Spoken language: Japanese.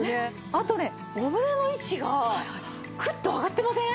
あとねお胸の位置がクッと上がってません？